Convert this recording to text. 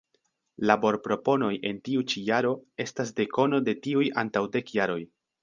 Laborproponoj en tiu ĉi jaro estas dekono de tiuj antaŭ dek jaroj.